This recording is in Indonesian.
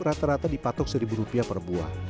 rata rata dipatok seribu rupiah per buah